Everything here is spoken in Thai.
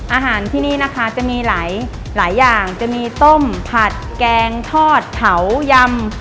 อาหารที่นี่นะคะจะมีหลายอย่างจะมีต้มผัดแกงทอดเผายำ